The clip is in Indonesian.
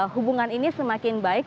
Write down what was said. hubungan ini semakin baik